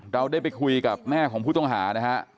เราได้ไปคุยกับแม่ของผู้ต้องหานะฮะ